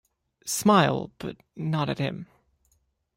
Smile but not at him.